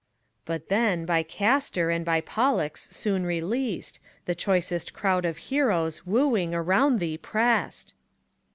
But then, by Castor and by Pollux soon released, The choicest crowd of heroes, wooing, round thee pressed.